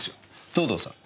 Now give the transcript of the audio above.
藤堂さん。